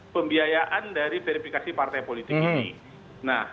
pembiayaan dari verifikasi partai politik ini